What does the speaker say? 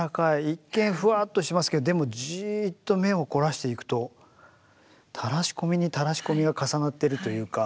一見ふわっとしてますけどでもじっと目を凝らしていくとたらし込みにたらし込みが重なってるというか。